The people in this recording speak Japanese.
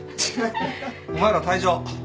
お前ら退場。